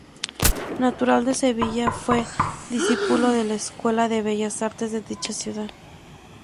Natural de Sevilla, fue discípulo de la Escuela de Bellas Artes de dicha ciudad.